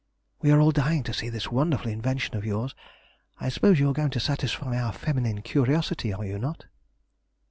We are all dying to see this wonderful invention of yours. I suppose you are going to satisfy our feminine curiosity, are you not?"